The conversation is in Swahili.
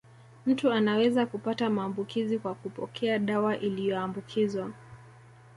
Mtu anaweza kupata maambukizi kwa kupokea dawa iliyoambukizwa